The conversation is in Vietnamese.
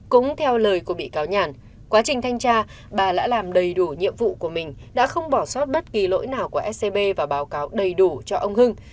cũng theo lời của bị cáo nhàn quá trình thanh tra bà đã làm đầy đủ nhiệm vụ của mình đã không bỏ sót bất kỳ lỗi nào của scb và báo cáo đầy đủ cho ông hưng